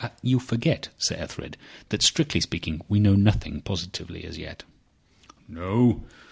"You forget, Sir Ethelred, that strictly speaking we know nothing positively—as yet." "No!